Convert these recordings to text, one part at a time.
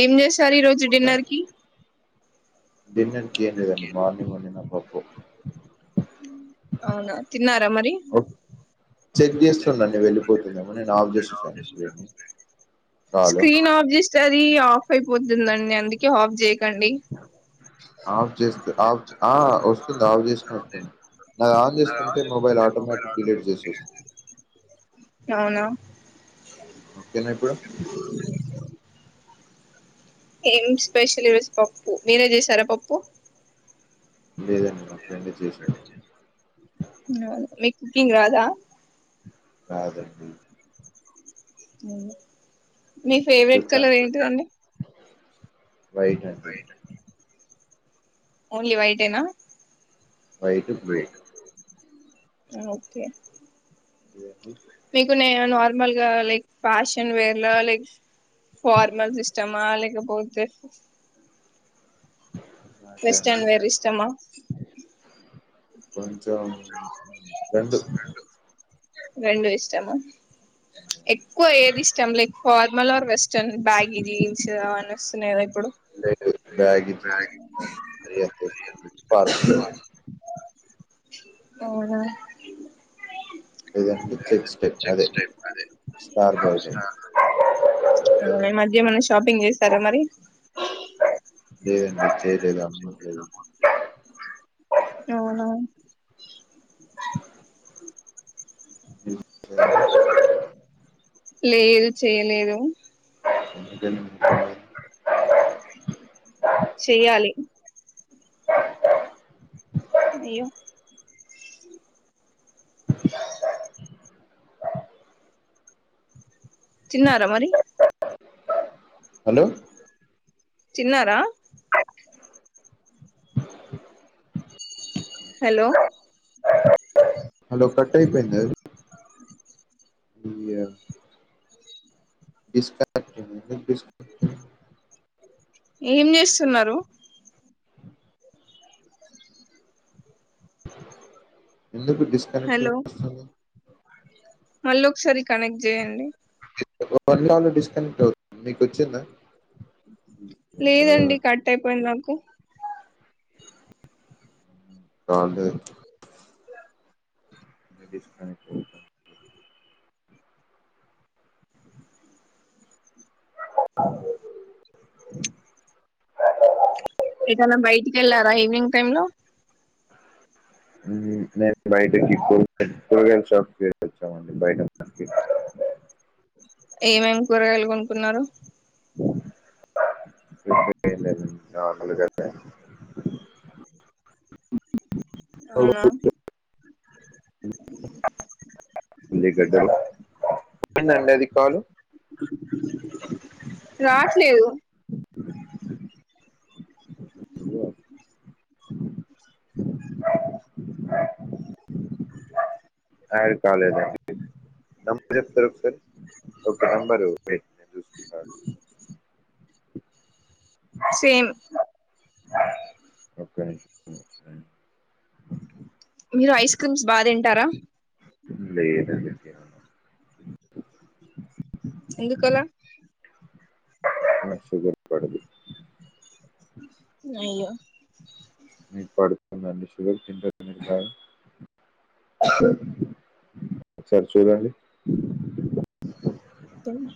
ఏం చేసారు ఈ రోజు డిన్నర్ కి డిన్నర్ కి ఏం లేదండి మార్నింగ్ వండిన పప్పు అవున తిన్నారా మరి ఓ, చెక్ చేస్తున్నా అండి వెళ్ళిపోతుందేమో అని నేను ఆఫ్ చేసేసాను స్క్రీన్ కాలు స్క్రీన్ ఆఫ్ జస్ అది ఆఫ్ అయిపోతుందండి అందుకే ఆఫ్ చేయకండి ఆఫ్ [inaudible] చేస్తే ఆఫ్ చే- ఆ వస్తుంది ఆఫ్ చేసిన వస్తుంది నాది ఆన్ చేస్తుంటే మొబైల్ మొబైలో ఆటోమేటిక్ ఆర్డర్ డిలీట్ పెట్టుకొని చేసేస్తుంది తినేయండి అవునా తినే అప్పుడు ఏం స్పెషల్ ఈరోజు పప్పు మీరే చేసారా పప్పు లేదండి మా ఫ్రెండ్ చేశాడు హా అవును మీ కుకింగ్ రాదా రాదు అండి అవును మీ ఫేవరెట్ మీకొచ్చా కలర్ ఏంటిదండి వైట్ అండి ఓన్లీ వైట్ ఏనా వైట్ బ్లూ హు ఓకే [inaudible] మీకు నే నార్మల్గా లైక్ ఫ్యాషన్ వేర్ ల లైక్ ఫార్మల్స్ ఇష్టమా లేకపోతే బ్లాక్ అండి వెస్టర్న్ వేర్ ఇష్టమా కొంచం రెండు రెండు ఇష్టమ ఎక్కువ ఏది ఇష్టం like formal or western baggy jeans అనిస్తున్నాయి కదా ఇప్పుడు లేదు బ్యాగ్ పర్ అవున [unintelligible] ఆ ఈ మధ్య ఏమన్నా షాపింగ్ చేసరా మరి లేదండి చేయలేదు అమ్మ ఉండేది అవున లేదు చేయలేదు చెల్ చెయాలి అయ్యో తిన్నార మరి హలో చిన్నార హలో హలో కట్ అయిపోయింద అ బస్కస్ ఏం చేస్తున్నారు ఎందుకు డిస్కనెక్ట్ హలో అస్తుంది మళ్ళీ ఒకసారి కనెక్ట్ చేయండి [unintelligible] డిస్కనెక్ట్ అవుతుంది మీకు వచ్చిందా లేదండి కట్ అయిపోయింది నాకు [unintelligible] ని పో ఏదైన బయటికి వెళ్ళారా ఈవినింగ్ టైమ్ లో నేను బయటకి [unintelligible] షాప్కి వచ్చామండి బయట ఏమేమి కూరగాయాలు కొనుకున్నారు [unintelligible] అవునా పలిగడ్ ఏడి అది కాలు రాట్లేదు [unintelligible] నబ చెప్త సార్ ఓకే నంబ దూ సేమ్ ఒకకే మీరు ఐస్ క్రీమ్స్ బాగా తింటారా లేదదతే ఎందుకలా పడదు అయ్యో మీపాడుతుందన్ని షుగర్ కింద నిర్ధయం సర సార్ చూదండి తమ్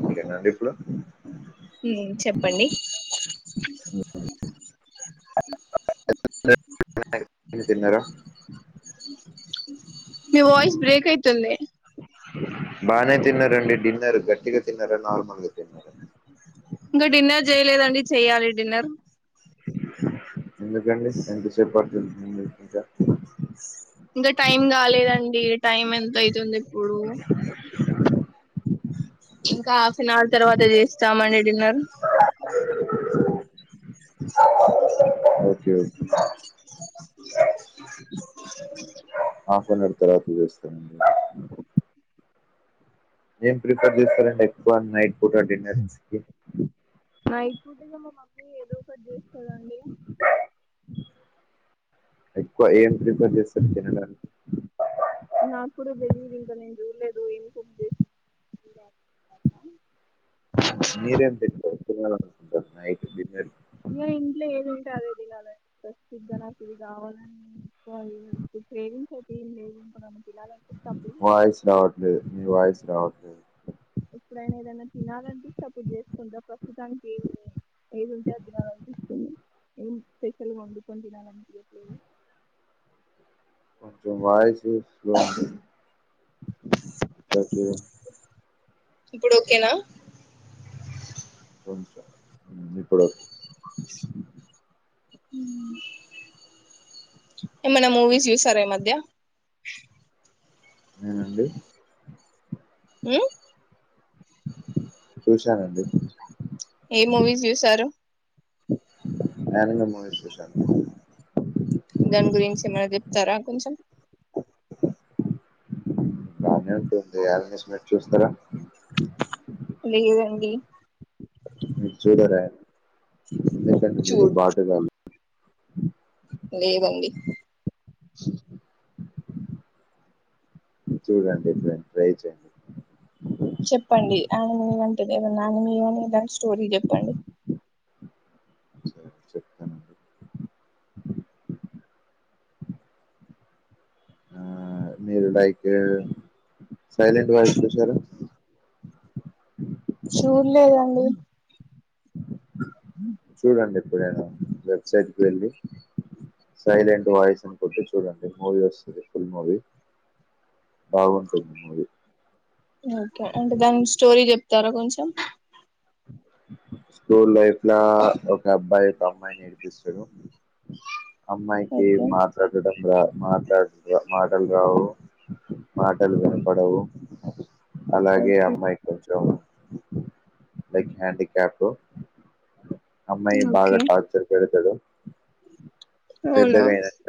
ఇంకెంటండి ఇప్పుడు ప్పండి ఏం తిన్నారా మీ వాయిస్ బ్రేక్ అయితుంది బానే తిన్నారండి డిన్నర్ గట్టిగా తిన్నారా నార్మల్గా తిన్నరా ఇంకా డిన్నర్ చేయలేదండి చెయాలి డిన్నర్ ఎందుకండి ఎంతసేపు పడుతుంది డిన్నర్ ఇంకా ఏ టైం ఎంత అయితుంది ఇప్పుడు ఇంకా హాఫ్ అన్ అవర్ తర్వాత చేస్తామండి డిన్నర్ అ okay okay half an hour తర్వాత చేస్తాండి ఏం ప్రిఫర్ చేస్తారండి ఎక్కువ నైట్ పూట డిన్నర్స్ కి నైట్ పూట ఇగ మా మమ్మీ ఏదో ఒకటి చేస్తదండి ఎక్కువ ఏం ప్రిఫేర్ చేస్తారు తినడానికి నాకు కూడా తెలియదు ఇంకా నేను చూడలేదు ఏం కుక్ చేస్తుంది అని. ఉమ్ మీరేం తినరు తినాలనుకుంటారు నైట్ డిన్నర్ ఇగ ఇంట్లో ఏది ఉంటే అదే తినాలి స్పెసిఫిక్ గా నాకు ఇది ఫోర్టీన్ [unintelligible] వాయిస్ రావట్లే మీ వాయిస్ రావట్లే ఎప్పుడైనా ఏదైనా తినాలనిపిస్తే అప్పుడు చేసుకుంటా ప్రస్తుతానికి ఏమిలే ఎదుంటే అది తినాలి ఉమ్ ఏం స్పషల్గా వండుకొని తినాలనిపిట్లేదు కొంచెం వాయిస్ స్లో ఉంది ఒకసారి చూడండి ఇప్పుడు ఓకేనా కొంచం ఉమ్ ఇప్పుడు ఒకే ఉమ్ ఏమనా మూవీస్ చూసారా ఈ మధ్య నేనండి ఉమ్ చూశానండి ఏం మూవీస్ చూసారు యానిమి మూవీ చూసాను దాని గురించి ఏమైనా చెప్తారా కొంచెం డామినెంట్ ఉంది యానిమిస్ మీర్ చూస్తారా లేదండి మీరు చూడరా లేదండి మీరు చూడు బాటుగాల్లు లేదండి చూడండి ఇప్పుడైన ట్రై చేయండి చెప్పండి యానిమీ అంటది ఏదన్నా యానిమీ కానీ ఏదైనా స్టోరీ చెప్పండి సరే చెప్తానండి ఆ మీరు లైక్ సైలెంట్ వాయిస్ చూసారా అ చూడండి ఇప్పుడుేనా వెబ్సైట్కి వెళ్ళి సైలెంట్ వాయిస్ అని కొట్టి చూడండి మూవీ వస్తది ఫుల్ మూవీ బాగుంటుంది మూవీ ఓకే అంటే దాని స్టోరీ చెప్తారా కొంచెం స్కూల్ లైఫ్లా ఒక అబ్బాయి ఒక అమ్మాయి నేడిపిస్తడు అమ్మాయికి ఓకే మాట్లాడడం రా మాట్లాడిస్తే మాట్లాడు మాటలు రావు మాటలు వినపడవు అలాగే ఓకే అమ్మాయి కొంచెం లైక్ హ్యాండ్ కీప్యాడ్ అమ్మ బాగా ఓకే టార్చర్ పెడితది అవునా పెద్దగాయనాక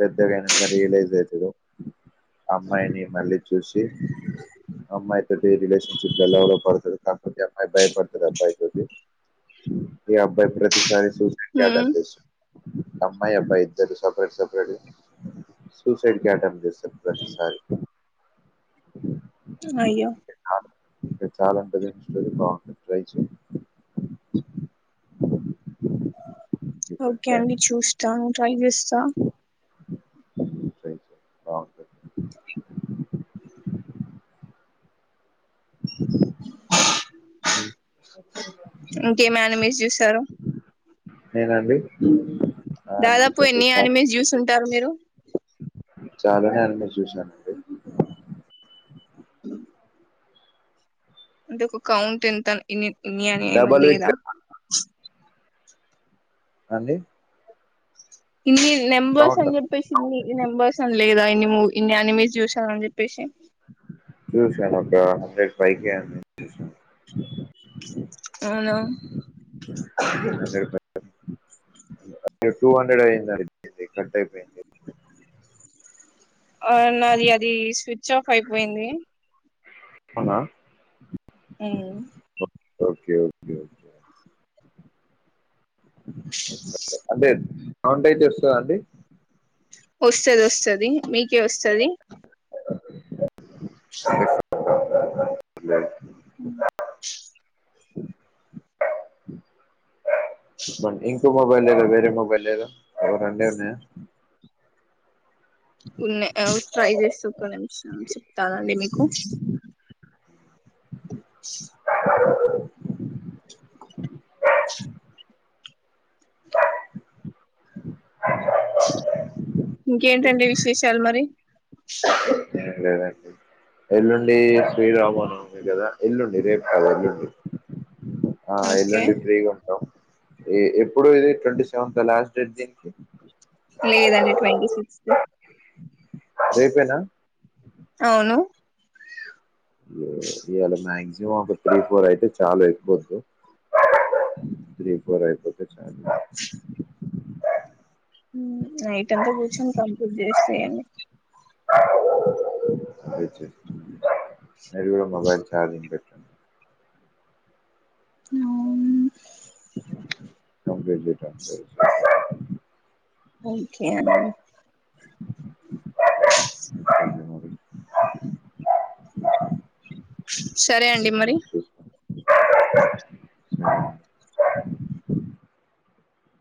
పెద్దగాయనాక రియలైజ్ అయితదో అమ్మాయి మిమ్మల్ని చూసి అమ్మాయి తోటి రిలేషన్షిప్ డవల పడుతుద కాకపోతే టైం పడుతుంది అబ్బాయి తోటి ఈ అబ్బాయి ప్రతిసారి సూసైడ్ కి అటెం ఉమ్ చేసిండు అమ్మాయి అబ్బాయి ఇద్దరిదీ సపరేట్ సపరేటీ సుసైడ్ కి అటెంప్ట్ చేస్తది ప్రతిసారి అయ్యో ఇకా చాల [unintelligible] ట్రై చే డిఫరెంట్ ఓకే టైం అండి చూస్తాను ట్రై చేస్తా ట్రై చేయి బాగుంటది అ [unintelligible] [unintelligible] ఇంకేమైన మీస్ జూసారో నేనండి దాదాపు యానిమేషన్ అంటే ఎన్ని చాలా యానిమల్స్ జూసుంటారు మీరు చాలా యానిమల్స్ చూసానండి. అంటే ఒక కౌంట్ ఇంత ఇన్ని ఇన్ని అని ఏమి డబల్ విక్ లేదా అండి ఇన్ని నెంబర్స్అని చెప్పేసి ఇన్ని నెంబర్స్ అని లేదా ఇన్ని మో ఇన్ని అనిమీస్ చూసా అని చెప్పేసి చూశాను ఒక హండ్రెడ్ పైకి చూసాను అవునా అది టూ హండ్రెడ్ అయింది కట్ అయిపోయింది. అవును నాది అది స్విచ్ ఆఫ్ అయిపోయింది. అవునా ఉమ్ ఒకే ఒకే ఒకే హండ్రెడ్ హండ్రెడ్ చేస్తదా అండి వస్తాది వస్తాది మీకే వస్తాది [unintelligible] [unintelligible] చెప్పండి ఇంకో మొబైల్ లేదా వేరే మొబైల్ లేదా రెండే ఉన్నాయా ఉన్నా ట్రై చేస్ చూస్తా [inaudible] చెప్తాగండి మీకు [unintelligible] [unintelligible] [unintelligible] ఇంకేంటండి విశేషాలు మరి ఏ లేదండి ఎల్లుండి శ్రీరామనవమి కదా ఎల్లుండి రేపు కాదు ఎల్లుండి ఆ ఓకే ఎల్లుండి ఫ్రీగా ఉంటాం. ఎప్పుడు ఇది ట్వంటీ సెవెంత్ ఆ లాస్ట్ డేట్ దీనికి లేదండి ట్వంటీ సిక్స్త్ రేపేనా అవును ఇ ఇవాళ మాక్సిమం ఒక త్రీ ఫోర్ అయితే చాలా ఎక్కువ వద్దు త్రీ ఫోర్ అయిపోతే చాలు మ్మ్ నైటంతా గూర్చొన్ కంప్లీట్ జేసేయండి. [inaudible] మీరు గూడా మొబైల్ చార్జింగ్ బెట్టు. [unintelligible] నోన్. కంప్లీట్ జేయిటాన్కి. ఒకే అనిల్. [unintelligible] సరే అండి మరి. చూసుకోండి